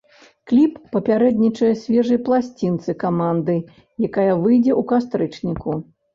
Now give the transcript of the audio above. Кліп папярэднічае свежай пласцінцы каманды, якая выйдзе ў кастрычніку.